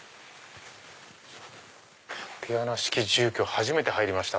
竪穴式住居初めて入りました。